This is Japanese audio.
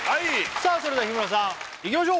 それでは日村さんいきましょう！